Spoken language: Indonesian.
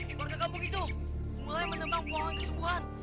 keluarga kampung itu mulai menembak pohon kesembuhan